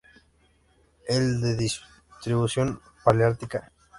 Es de distribución paleártica.